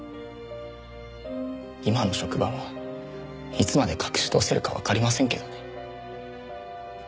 今の職場もいつまで隠し通せるかわかりませんけどね。